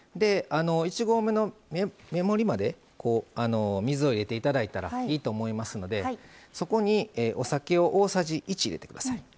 １合目の目盛りまで水を入れていただいたらいいと思いますのでそこにお酒を大さじ１入れてください。